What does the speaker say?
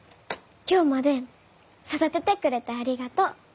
今日まで育ててくれてありがとう。